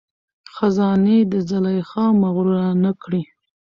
خزانې دي زلیخا مغروره نه کړي